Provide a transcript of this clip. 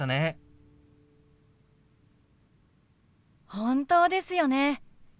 本当ですよね。